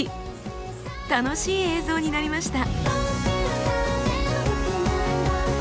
楽しい映像になりました。